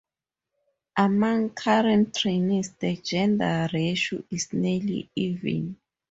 Among current trainees, the gender ratio is nearly even.